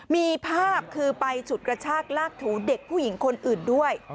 มีภาพคือไปฉุดกระชากลากถูเด็กผู้หญิงคนอื่นด้วย